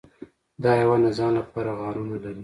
دا حیوان د ځان لپاره غارونه لري.